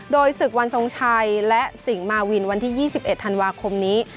โดยศึกวันทรงชัยและสิงหมาวินวันที่๒๑ธันวาคมนี้